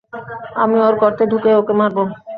আমি ওর গর্তে ঢুকেই ওকে মারব।